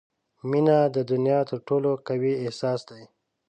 • مینه د دنیا تر ټولو قوي احساس دی.